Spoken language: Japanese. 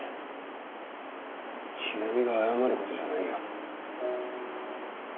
千波が謝ることじゃないよ。